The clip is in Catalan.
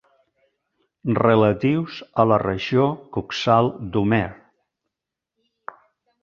Relatius a la regió coxal d'Homer.